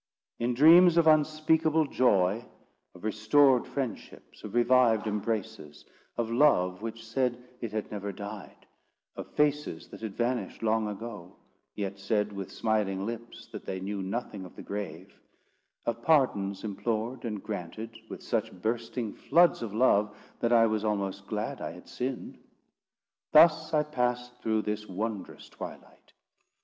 In dreams of unspeakable joy—of restored friendships; of revived embraces; of love which said it had never died; of faces that had vanished long ago, yet said with smiling lips that they knew nothing of the grave; of pardons implored, and granted with such bursting floods of love, that I was almost glad I had sinned—thus I passed through this wondrous twilight.